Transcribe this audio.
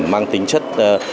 mang tính chất